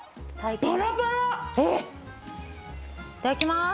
いただきます！